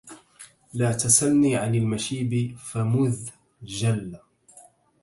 لا تسلني عن المشيب فمذ جل